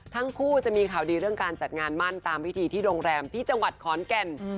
ทั้งคู่จะมีข่าวดีเรื่องการจัดงานมั่นตามพิธีที่โรงแรมที่จังหวัดขอนแก่น